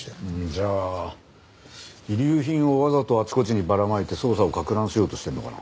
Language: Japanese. じゃあ遺留品をわざとあちこちにばらまいて捜査を攪乱しようとしてるのかな？